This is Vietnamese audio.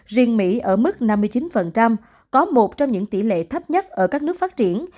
riêng mỹ ở mức năm mươi chín có một trong những tỷ lệ thấp nhất ở các nước phát triển